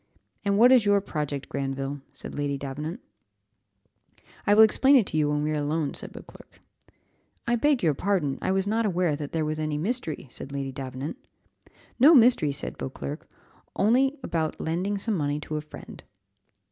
"And what is your project, Granville?" said Lady Davenant. "I will explain it to you when we are alone," said Beauclerc. "I beg your pardon, I was not aware that there was any mystery," said Lady Davenant. "No mystery," said Beauclerc, "only about lending some money to a friend."